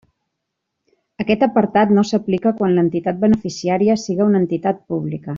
Aquest apartat no s'aplica quan l'entitat beneficiària siga una entitat pública.